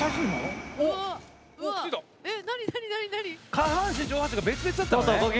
下半身上半身が別々だったのね。